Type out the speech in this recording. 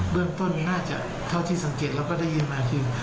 เรื่องต้นน่าจะเท่าที่สังเกตแล้วก็ได้ยินมาคือ